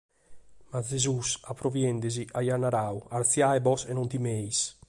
Ma Gesùs, aprobiende·si, aiat naradu: «arziade·bos e non timeis».